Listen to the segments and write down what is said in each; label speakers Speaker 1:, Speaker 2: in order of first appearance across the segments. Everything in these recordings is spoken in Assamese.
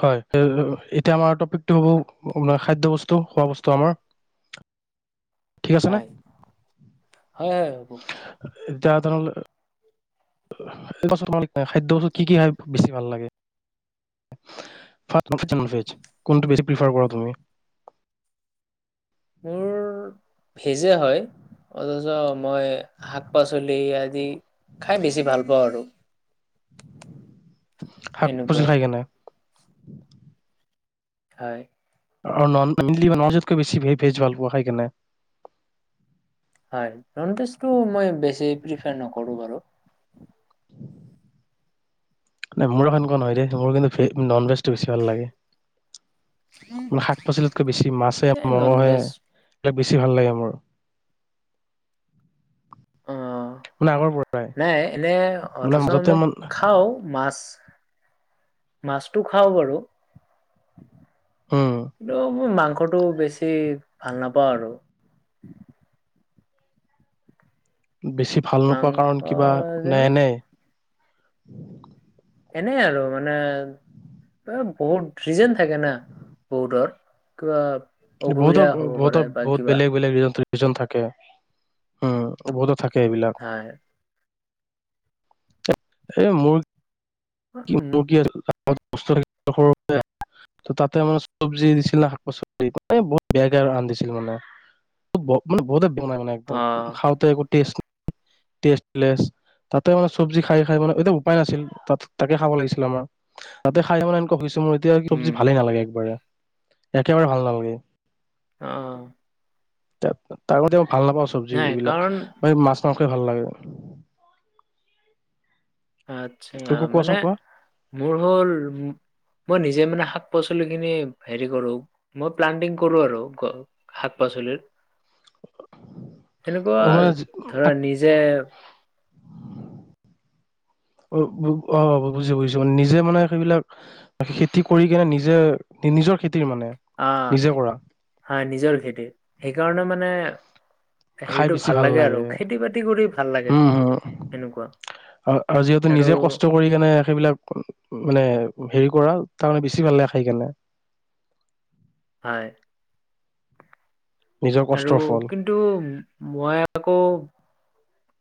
Speaker 1: হয় [unintelligible] এতিয়া আমাৰ টপিকটো হ'ব আপুনাৰ খাদ্য বস্তু খোৱা বস্তু আমাৰ ঠিক আছে নে?
Speaker 2: হয়, হয় এইবোৰ।
Speaker 1: এতিয়া [unintelligible] [unintelligible] খাদ্য বস্তু কি কি খায় বেছি ভাল লাগে? [unintelligible] ভেজ কোনটো বেছি প্ৰিফাৰ কৰা তুমি?
Speaker 2: মোৰ ভেজে হয় [unintelligible] মই শাক - পাচলি আদি খাই বেছি ভাল পাওঁ আৰু।
Speaker 1: শাক - পাচলি
Speaker 2: এনেকুৱাই
Speaker 1: খাই কিনে।
Speaker 2: হয়।
Speaker 1: আৰু নন [unintelligible] বেছি ভে ভেজ ভাল পোৱা খাই কিনে।
Speaker 2: হয়, নন ভেজটো মই বেছি প্ৰিফাৰ নকৰো বাৰু।
Speaker 1: নাই মোৰ [unintelligible] নহয় দেই, মোৰ কিন্তু ভে নন ভেজটো বেছি ভাল লাগে। মানে শাক - পাচলিতকৈ বেছি মাছে,
Speaker 2: এ নন
Speaker 1: মঙহে
Speaker 2: ভেজ
Speaker 1: এইবিলাক বেছি ভাল লাগে মোৰ।
Speaker 2: অ,
Speaker 1: মানে আগৰ পৰা
Speaker 2: নাই এনে
Speaker 1: মানে
Speaker 2: অথচ
Speaker 1: মাজতে
Speaker 2: মই
Speaker 1: মান
Speaker 2: খাও মাছ মাছটো খাও বাৰু।
Speaker 1: উম
Speaker 2: কিন্তু মোৰ মাংসটো বেছি ভাল নাপাওঁ আৰু।
Speaker 1: বেছি ভাল নোপোৱা
Speaker 2: মাংস
Speaker 1: কাৰণ কিবা নে
Speaker 2: যেনো
Speaker 1: এনে?
Speaker 2: এনেই আৰু মানে এ বহুত ৰিজেন থাকে না বহুতৰ কিবা
Speaker 1: কিন্তু
Speaker 2: অসুবিধা
Speaker 1: বহুতৰ ব
Speaker 2: হ'ব পাৰে
Speaker 1: বহুতৰ
Speaker 2: বা
Speaker 1: বহুত
Speaker 2: কিবা
Speaker 1: বেলেগ বেলেগ ৰিজান থা ৰিজন থাকে, উম বহুতো থাকে এইবিলাক।
Speaker 2: হয়।
Speaker 1: এ মোৰ, কি
Speaker 2: উম
Speaker 1: মোৰ [unintelligible] ত তাতে মানে চব্জি দিছিল ন শাক - পাচলি বহুত বেয়াকে আৰু ৰান্ধিছিল মানে। ব মানে বহুতে বনাই মানে
Speaker 2: অ
Speaker 1: একদম খাওঁতে একো টেষ্ট ট্ৰেষ্টলেছ তাতে মানে চব্জি খাই খাই মানে এতিয়া উপায় নাছিল তাত। তাকে খাব লাগিছিলে আমাৰ তাতে খাই মানে এনেকুৱা হৈছে মোৰ এতিয়া চব্জি
Speaker 2: উম
Speaker 1: ভালেই নালাগে একবাৰে। একেবাৰে ভাল নালাগে।
Speaker 2: অ'।
Speaker 1: তাৰ, তাৰমতেও ভাল নাপাওঁ
Speaker 2: নাই
Speaker 1: চব্জিবিলাক,
Speaker 2: কাৰণ
Speaker 1: মানে মাছ-মাংসই ভাল লাগে।
Speaker 2: আচ্ছা, মানে,
Speaker 1: কোৱাচোন কোৱা
Speaker 2: মোৰ হ'ল মই নিজে মানে শাক-পাচলিখিনি হেৰি কৰোঁ, মই প্লানটিং কৰোঁ আৰু শাক-পাচলিৰ, সেনেকুৱা
Speaker 1: অ' মানে
Speaker 2: ধৰা,
Speaker 1: শাক
Speaker 2: নিজে [inaudible]
Speaker 1: অ', অ', বুজিছোঁ, বুজিছোঁ, মানে নিজে, মানে সেইবিলাক খেতি কৰি কিনে নিজে, নিজৰ খেতিৰ মানে, নিজে কৰা
Speaker 2: হয়, নিজৰ খেতিৰ, সেইকাৰণে মানে হেৰিটো ভাল লাগে আৰু, খেতি-বাতি কৰি ভাল লাগে, এনেকুৱা
Speaker 1: অ', অ', যিহেতু নিজে কষ্ট কৰি কেনে, সেইবিলাক মানে, হেৰি কৰা, তাৰমানে বেছি ভাল লাগে, খাই কিনে
Speaker 2: হয়।
Speaker 1: নিজৰ
Speaker 2: আৰু,
Speaker 1: কষ্টৰ ফল
Speaker 2: কিন্তু, মই আকৌ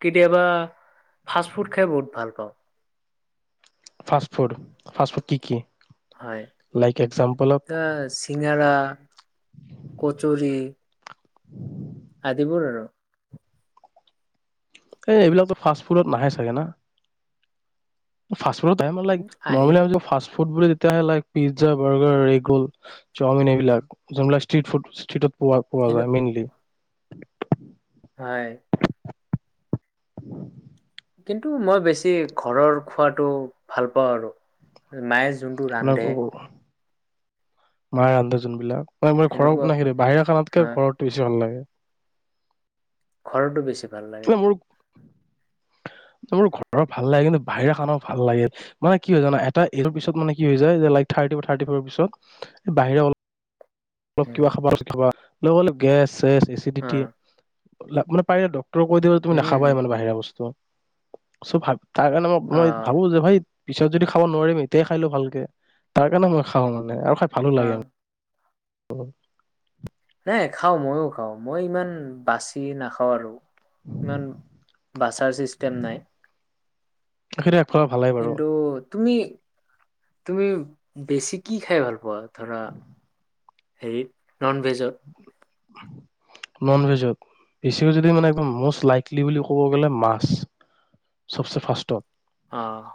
Speaker 2: কেতিয়াবা, ফাষ্ট-ফুড খাই বহুত ভাল পাওঁ।
Speaker 1: ফাষ্ট-ফুড, ফাষ্ট-ফুড কি কি?
Speaker 2: হয়,
Speaker 1: লাইক এক্জাম্পল অফ
Speaker 2: আ, চিঙৰা, কচুৰী আদিবোৰ আৰু
Speaker 1: এই, এইবিলাকতো ফাষ্ট-ফুডত নাহে চাগে না? ফাষ্ট-ফুডত আহে মানে, লাইক,
Speaker 2: আহি
Speaker 1: নৰ্মলি আমি যিটো ফাষ্ট-ফুড বোলো, তেতিয়াহে like pizza, burger, egg roll, chow mein এইবিলাক, যোনবিলাক ষ্ট্ৰিট-ফুড, ষ্ট্ৰিটত পোৱা, পোৱা
Speaker 2: সেনে
Speaker 1: যায় মেইনলি
Speaker 2: হয়। কিন্তু, মই বেছি ঘৰৰ খোৱাটো ভাল পাওঁ আৰু মায়ে যোনটো ৰান্ধে
Speaker 1: মায়ে ৰান্ধে যোনবিলাক, মানে মোৰ এই ঘৰৰ
Speaker 2: সেনেকুৱা
Speaker 1: [unintelligible] বাহিৰা খানাতকে
Speaker 2: হয়
Speaker 1: ঘৰতে বেছি ভাল লাগে।
Speaker 2: ঘৰৰটো বেছি ভাল লাগে
Speaker 1: তোমাৰ, মোৰ
Speaker 2: [inaudible]
Speaker 1: মোৰ ঘৰৰ ভাল লাগে, কিন্তু বাহিৰা খানাও ভাল লাগে। মানে কি হয় জানা, এটা এইজৰ পিছত মানে কি হৈ যায়, যে লাইক, থাৰ্টি বা থাৰ্টি ফাইভৰ পিছত, বাহিৰা অল অলপ
Speaker 2: উম,
Speaker 1: কিবা খাবা [unintelligible] খাবা লগতে গেছ-চেছ,
Speaker 2: অ
Speaker 1: এচিডিটি এইবিলাক, মানে পাৰিলে ডক্ত ডক্তৰে কৈ দিব যে তুমি
Speaker 2: উম
Speaker 1: নাখাবাই ইমান বাহিৰা বস্তু, চ', ভাব তাৰ কাৰণে মই,
Speaker 2: অ
Speaker 1: মই ভাবো যে ভাই পিছত যদি খাব নোৱাৰিম, এতিয়াই খাই লওঁ ভালকে। তাৰ কাৰণে মই খাওঁ মানে, আৰু খাই ভালো
Speaker 2: অ
Speaker 1: লাগে [inaudible]
Speaker 2: নাই, খাওঁ, মইও খাওঁ, মই ইমান বাচি নাখাওঁ আৰু ইমান বাচাৰ চিষ্টেম নাই।
Speaker 1: সেইটো এক প্ৰকাৰ ভালেই বাৰু।
Speaker 2: কিন্তু তুমি, তুমি বেছি কি খাই ভাল পোৱা? ধৰা হেৰিত, ননভেজত
Speaker 1: ননভেজত, বেছিকৈ যদি মানে একদম, মষ্ট লাইকলি বুলি ক'ব গ'লে, মাছ চবচে ফাৰ্ষ্টত
Speaker 2: অ',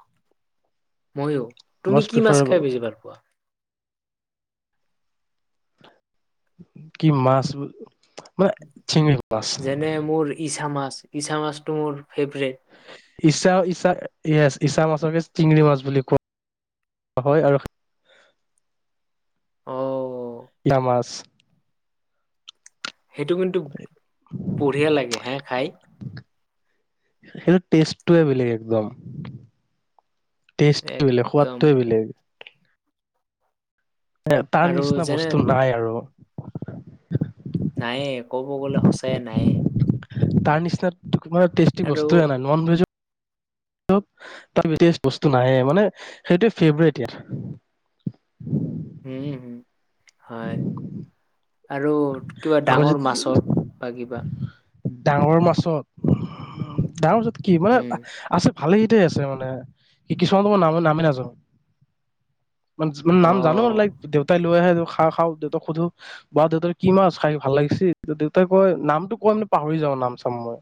Speaker 2: মইও, তুমি
Speaker 1: মষ্ট
Speaker 2: কি মাছ খাই
Speaker 1: প্ৰিফাৰেবল
Speaker 2: বেছি ভাল পোৱা?
Speaker 1: কি মাছ? মানে শিঙি মাছ
Speaker 2: যেনে মোৰ ইচা মাছ- ইচা মাছটো মোৰ ফেভৰেট।
Speaker 1: ঈছা- ইছা ইয়েচ ইছা মাছকে চিঙৰি মাছ বুলি কোৱা হয় আৰু
Speaker 2: অ',
Speaker 1: নামাছ
Speaker 2: সেইটো কিন্তু বঢ়িয়া লাগে হে খাই।
Speaker 1: সেইটো টেষ্টটোৱে বেলেগ একদম টেষ্ট [unintelligible] বেলেগ
Speaker 2: একদম
Speaker 1: সোৱাদটোয়ে বেলেগ। এ তাৰ
Speaker 2: আৰু
Speaker 1: নিচিনা
Speaker 2: যেনে
Speaker 1: বস্তু নাই আৰু।
Speaker 2: নায়ে ক'ব গ'লে সঁচাই নায়ে।
Speaker 1: তাৰ নিচিনা [unintelligible] টেষ্টি
Speaker 2: আৰু
Speaker 1: বস্তুৱে নাই নন ভেজ [unintelligible] বস্তু নাইয়ে মানে সেইটোই ফেভৰেট ইয়া
Speaker 2: উম, হম, হয়। আৰু কিবা
Speaker 1: আকৌ যে
Speaker 2: ডাঙৰ মাছত বা কিবা
Speaker 1: ডাঙৰ মাছত-ডাঙৰ মাছত কি মানে
Speaker 2: হম
Speaker 1: আছ ভালেকেইটাই আছে মানে [unintelligible] কিছুমান নামে- নামে নাজানো। মান [unintelligible]
Speaker 2: অ
Speaker 1: নাম জানো লাইক দেউতাই লৈ আহে খাৰ খাওঁ দেউতাক সোধো বা দেউতাক কি মাছ খাই ভাল লাগিছি ত'দেউতাই কয় নামতটো কয় মানে পাহৰি যাও নাম চাম মই।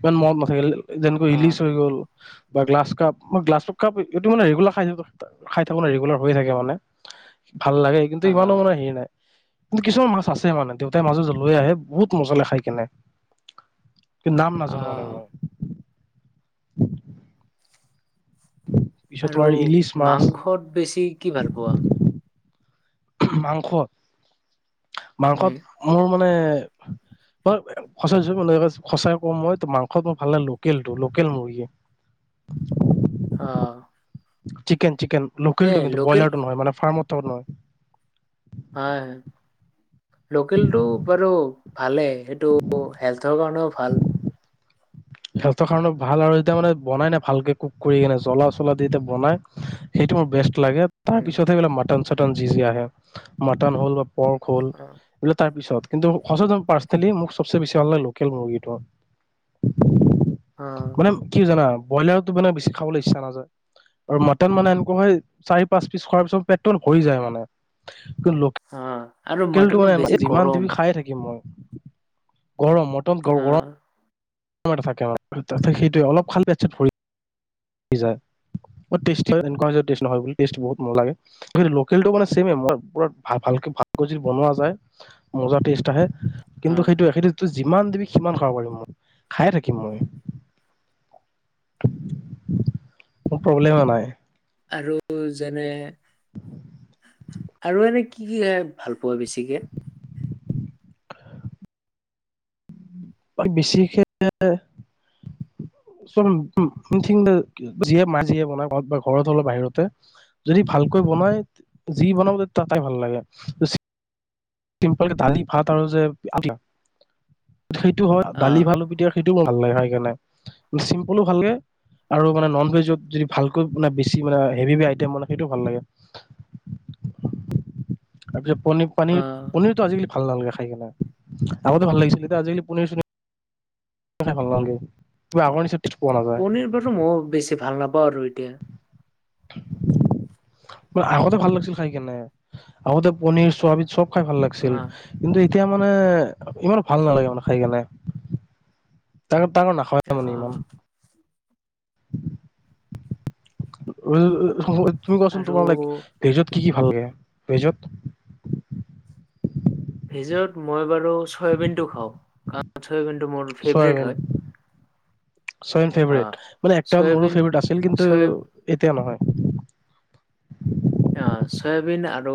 Speaker 1: ইমান মনত নাথাকিল যেনেকৈ ইলিচ
Speaker 2: আহ
Speaker 1: হৈ গ'ল বা গ্লাছ কাপ [unintelligible] গ্লাছ কাপ খাব পাৰি এইটো মানে ৰেগুলাৰ খাই খাই থাকো নে ৰেগুলাৰ হৈয়ে থাকে মানে ভাল লাগে কিন্তু ইমানো
Speaker 2: আহ
Speaker 1: মানে হেৰি নাই কিন্তু কিছুমান মাছ আছে মানে দেউতাই মাজে - মাজে লৈ আহে বহুত মজা লাগে খাই কিনে। [unintelligible] নাম নাজানো মানে
Speaker 2: আহ
Speaker 1: মই। পিছত
Speaker 2: আৰু
Speaker 1: তোমাৰ ইলিছ মাছ
Speaker 2: মাংসত বেছি কি ভাল পোৱা?
Speaker 1: মাংস -
Speaker 2: উম
Speaker 1: মাংসত মোৰ মানে [unintelligible] সচাই কওঁ মই ত ' মাংসত মই ভাল লাগে লোকেলটো লোকেল মুৰ্গী।
Speaker 2: অহ,
Speaker 1: চিকেন - চিকেন লোকেল টো কিন্তু
Speaker 2: লোকেল
Speaker 1: ব্ৰইলাৰ টো নহয় মানে ফাৰ্মত [unintelligible] নহয়।
Speaker 2: হয়- হয়। লোকেলটো বাৰু ভালেই সেইটো হেল্থৰ কাৰণেও ভাল।
Speaker 1: হেল্থৰ কাৰনেওঁ ভাল আৰু যেতিয়া মানে বনাই না ভালকে কুক কৰি কেনে জ্বলা চলা দি এতিয়া বনাই সেইটো মোৰ বেষ্ট লাগে তাৰ
Speaker 2: উম
Speaker 1: পিছত সে এইবিলাক মটন-চটন যিজি আহে মটন হ'ল বা পৰ্ক হ'ল
Speaker 2: অ
Speaker 1: বোলে তাৰ পিছত কিন্তু সঁচা [unintelligible] পাৰ্চনেলি মোক চবচে বেছি ভাল লাগে লোকেল মুৰ্গীটো।
Speaker 2: অ
Speaker 1: মানে কি জানা বইলাৰতো মানে বেছি খাবলে ইচ্ছা নাযায়। আৰু মাটন মানে এনেকুৱা হয় চাৰি-পাঁচ পিচ খোৱাৰ পিছত পেতটো ভৰি যায় মানে কি
Speaker 2: অ আৰু
Speaker 1: লোকেলটো
Speaker 2: মটনো বেছি
Speaker 1: মানে যিমান
Speaker 2: গৰম
Speaker 1: দিবি খাইয়ে থাকিম মই। গৰম মটন গ
Speaker 2: অ
Speaker 1: [unintelligible] [unintelligible] থাকে অ, তাতে সেইটোৱে অলপ খালে পেত চেট ভৰি যায়। বহুত টেষ্ট হয় এনে কোৱা নহয় টেষ্ট নহয় বুলি টেষ্ট বহুত মজা লাগে। লোকেলটো মানে চেমে মই পোৰা ভা-ভালকে ভাত গজি বনোৱা যায়। মজা টেষ্ট আহে
Speaker 2: অ
Speaker 1: কিন্তু সেইটোৱে সেইটোতো যিমান দিবি সিমান খাব পাৰিম মই। খায়ে থাকিম মই। মোৰ প্ৰব্লেমে নাই।
Speaker 2: আৰু যেনে
Speaker 1: [unintelligible]
Speaker 2: আৰু এনে কি এ ভাল পোৱা বেছিকে?
Speaker 1: বেছিকে চব যিয়ে মা যিয়ে বনাই ঘৰ বা ঘৰত হ'লে বাহিৰতে। যদি ভালকৈ বনাই যি বনাব তাতাই ভাল লাগে। চিম্পল কে দালি ভাত আৰু যে আলু সেইটো হয়
Speaker 2: অ
Speaker 1: দালি ভাত সেইটো মোৰ ভাল লাগে খাই কেনে চিম্পলো ভালকে। আৰু মানে নন ভেজত যদি ভালকৈ মানে বেছি মানে হেভি হেভি আইটেম মানে সেইটো ভাল লাগে।
Speaker 2: [inaudible]
Speaker 1: তাৰপিছত পনীৰ,
Speaker 2: অ
Speaker 1: পানীৰ পনিৰতটো আজিকালি ভাল নালাগে খাই কিনে আগতে ভাল লাগিছিল এতিয়া আজিকালি পনীৰ চনীৰ খাই ভাল নালগে কিবা আগৰ নিচিনা টেষ্ট পোৱা নাযায়
Speaker 2: পনীৰ বাৰু মই বেছি ভাল নাপাওঁ আৰু এতিয়া।
Speaker 1: মানে আগতে ভাল লাগিছিল খাই কেনে, আগতে পনিৰ চৱাবিন চব খাই ভাল
Speaker 2: অ
Speaker 1: লাগিছিল। কিন্তু এতিয়া মানে ইমান ভাল নালাগে মানে খাই কেনে তাৰে তা
Speaker 2: অ'।
Speaker 1: তুমি কচোন
Speaker 2: আৰু
Speaker 1: তোমাৰ লাইক ভেজত কি কি ভাল লাগে ভেজত?
Speaker 2: ভেজত মই বাৰু চয়াবিনটো খাওঁ কাৰণ চয়াবিনটো মোৰ ফেভৰেট
Speaker 1: চয়াবিন
Speaker 2: হয়।
Speaker 1: চয়াবিন
Speaker 2: হা
Speaker 1: ফেভৰেট মানে একটা মোৰো
Speaker 2: চয়াবিন
Speaker 1: ফেভকেট আছিল কিন্তু
Speaker 2: চয়
Speaker 1: এতিয়া নহয়।
Speaker 2: অ', চয়াবিন আৰু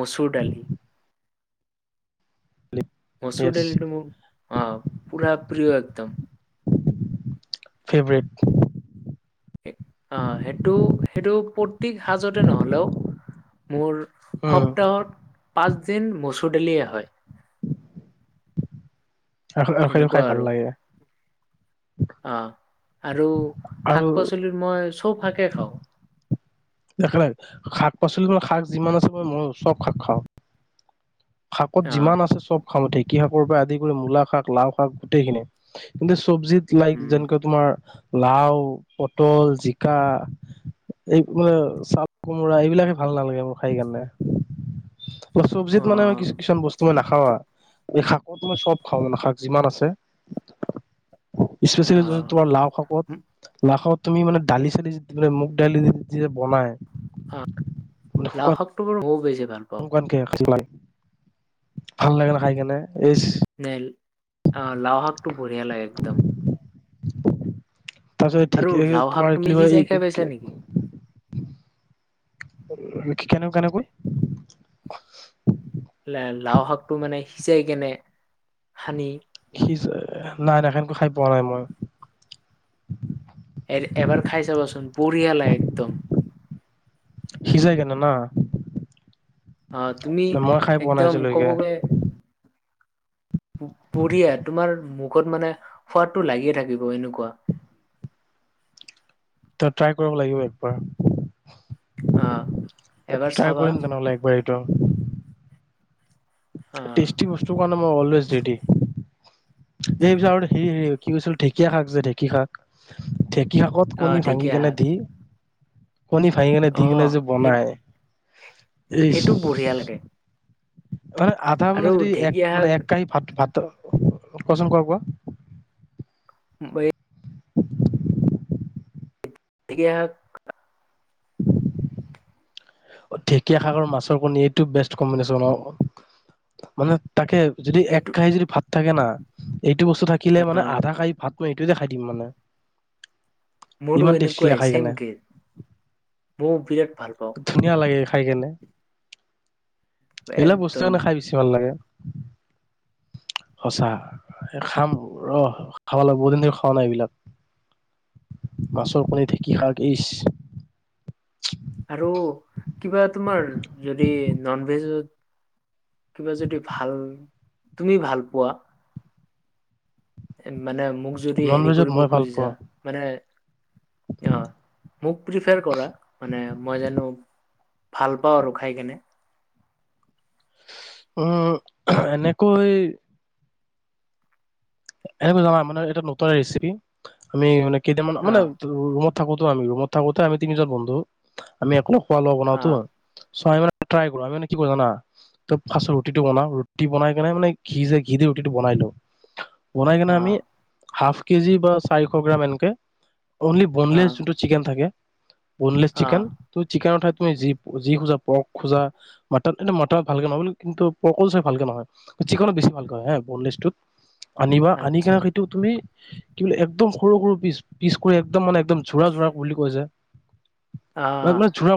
Speaker 2: মচুৰ দালি। মচুৰ
Speaker 1: য়েছ
Speaker 2: ডালিটো মোৰ অ' পুৰা প্ৰিয় একদম।
Speaker 1: ফেভেৰেত।
Speaker 2: অ', সেইটো সেইটো প্ৰতি সাজতে নহ'লেও মোৰ
Speaker 1: উম
Speaker 2: সপ্তাহত পাঁচ দিন মচুৰ দালিয়ে হয়।
Speaker 1: [unintelligible] খাই
Speaker 2: সেনেকুৱা
Speaker 1: ভাল
Speaker 2: আৰু
Speaker 1: লাগে।
Speaker 2: অ', আৰু
Speaker 1: আৰু
Speaker 2: শাক পাচলিত মই চব শাকে খাওঁ।
Speaker 1: দেখা নাইে শাক পাচলি মই শাক যিমান আছে মই ময়ো চব শাক খাওঁ। শাকত
Speaker 2: অ',
Speaker 1: যিমান আছে চব খাওঁ ঢেঁকী শাকৰ পৰা আদি কৰি মূলা শাক লাও শাক গোটেইখিনিয়ি। কিন্তু চব্জিত লাইক
Speaker 2: উম।
Speaker 1: যেনেকে তোমাৰ লাও, পটল, জিকা এই মানে চাল কোমোৰা এইবিলাকে ভাল নালাগে মোৰ খাই কাৰণে। চব্জিত মানে
Speaker 2: অ',
Speaker 1: কি-কিছুমান বস্তু মই নাখাওঁ। এই শাকত মই চব খাওঁ মানে শাক যিমান আছে। স্পেচিয়েলি
Speaker 2: অ',
Speaker 1: তোমাৰ লাও
Speaker 2: উম,
Speaker 1: শাকত। লাও শাকত তুমি মানে দালি চালি দি পেলে মুগ দালি দি যেতিয়া বনাই।
Speaker 2: অ',
Speaker 1: মানে
Speaker 2: লাও
Speaker 1: শুকান
Speaker 2: শাকটো বাৰু বহুত বেছি ভাল। পাওঁ।
Speaker 1: [inaudible] ভাল লাগে ন, খাই কেনে এইচ।
Speaker 2: নে, লাও শাকটো বঢ়িয়া লাগে একদম। আৰু
Speaker 1: তাৰপিছত
Speaker 2: লাও শাক
Speaker 1: তোমাৰ
Speaker 2: তুমি সিজাই খাই পাইছা
Speaker 1: [unintelligible]
Speaker 2: নেকি?
Speaker 1: কেনেক কেনেকৈ?
Speaker 2: লাও শাকটো মানে সিজাই কেনে সানি।
Speaker 1: সি নাই নাই সেনকৈ খাই পোৱা নাই মই।
Speaker 2: এ-এবাৰ খাই চাবচোন বঢ়িয়া লাগে একদম।
Speaker 1: সিজাই কেনে ন।
Speaker 2: অ তুমি
Speaker 1: নাই
Speaker 2: একদম ক'ব
Speaker 1: আজিলৈকে
Speaker 2: গৈয়ে পুঢ়িয়া তোমাৰ মুখত মানে সোৱাদটো লাগিয়ে থাকিব এনেকুৱা।
Speaker 1: ত ট্ৰাই কৰিব লাগিব একবাৰ,
Speaker 2: আহ এবাৰ
Speaker 1: ট্ৰাই
Speaker 2: চাবা
Speaker 1: কৰিম তেনেহ'লে একবাৰ এই টো।
Speaker 2: আহ
Speaker 1: টেষ্টি বস্তুৰ কাৰণে মই অলোৱেজ ৰেডি। এই পিছত আৰু হে হ কি কৈছিল ঢেকীয়া শাক যে ঢেঁকী শাক ঢেঁকী শাকত
Speaker 2: আহ
Speaker 1: কণী ভাঙি
Speaker 2: ঢেকীয়া
Speaker 1: কেনে
Speaker 2: শাক
Speaker 1: দি, কণী ভাঙি কেনে দি
Speaker 2: আহ
Speaker 1: কিনে যে
Speaker 2: সেই
Speaker 1: বনাই ইচ
Speaker 2: সেইটো বঢ়িয়া লাগে।
Speaker 1: মানে আধা মানে
Speaker 2: আৰু
Speaker 1: যদি এক
Speaker 2: ঢেকীয়া
Speaker 1: মানে
Speaker 2: শাক
Speaker 1: এক কাঁহি ভাত ভাত, ক চোন কোৱা কোৱা?
Speaker 2: [inaudible]
Speaker 1: [unintelligible]
Speaker 2: এতিয়া
Speaker 1: ঢেকীয়া শাকৰ আৰু মাছৰ কণী এইটো বেষ্ট কম্বিনেশ্যন অ অ। মানে তাকে যদি এক
Speaker 2: সেইটো
Speaker 1: কাঁহী যদি ভাত থাকে না এইটো বস্তু থাকিলে মানে
Speaker 2: আহ
Speaker 1: আধা কাঁহী ভাতটো এইটোতে খাই দিম মানে।
Speaker 2: মোৰো
Speaker 1: ইমান টেষ্টি লাগে
Speaker 2: এনেকুৱাই
Speaker 1: খাই কেনে
Speaker 2: ছেম কেচ মইও বিৰাট ভাল পাওঁ।
Speaker 1: ধুনীয়া লাগে খাই কেনে। এইবিলাক বস্তু
Speaker 2: একদম
Speaker 1: কাৰণে খাই বেছি ভাল লাগে, সঁচা। খাম ৰ খাব লাগে বহুত দিন ধৰি খোৱা নাই এইবিলাক। মাছৰ কণী ঢেঁকী শাক ইচ
Speaker 2: আৰু কিবা তোমাৰ যদি নন ভেজত কিবা যদি ভাল, তুমি ভাল পোৱা। মানে মোক যদি
Speaker 1: নন
Speaker 2: হেৰি
Speaker 1: ভেজত
Speaker 2: কৰিব
Speaker 1: মই ভাল
Speaker 2: খুজিছা
Speaker 1: পাওঁ
Speaker 2: মানে অ মোক প্ৰিফাৰ কৰা মানে মই জানো। ভাল পাওঁ আৰু খাই কেনে।
Speaker 1: উম এনেকৈ এনেকুৱা জানা মানে এটা নতুন ৰেচিপি আমি মানে কেইটামান
Speaker 2: অ
Speaker 1: মানে ৰুমত থাকোতো আমি ৰুমত থাকোতে আমি তিনিজন বন্ধু আমি একো খোৱা লোৱা
Speaker 2: অ
Speaker 1: বনাওঁতো। চৰাই ভাত ট্ৰাই কৰোঁ, আমি এনেই কি কৰোঁ জানা? ত ফাৰ্ষ্ট ৰুটিটো বনাও ৰুটি বনাই কেনে মানে ঘি যে ঘি দি ৰুতিটো বনাই লওঁ, বনাই কেনে
Speaker 2: অ
Speaker 1: আমি হাফ কেজি বা চাৰিশ গ্ৰাম এনকে অনলি
Speaker 2: অ
Speaker 1: বনলেছ চিকেন থাকে, বনলেছ
Speaker 2: অ
Speaker 1: চিকেন ত চিকেনত ঠাইত তুমি যি যি খোজা পৰ্ক খোজা মটন এটো মটন ভালকে নহয় বুলি কিন্তু পৰ্কো চাগে ভালকে নহয় চিকনত বেছি ভালকৈ হয় হ বনলেছটোত। আনিবা আনি
Speaker 2: আচ্ছা
Speaker 1: কেনে সেইটো তুমি কি বুলি একদম সৰু সৰু পিচ পিচ কৰি একদম মানে একদম ঝুৰা ঝুৰা বুলি কৈ যে
Speaker 2: অ
Speaker 1: এক ঝুৰা